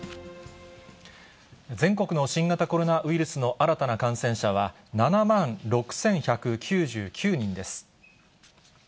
全国の新型コロナウイルスの新たな感染者は７万６１９９人です。